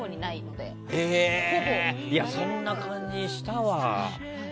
そんな感じしたわ。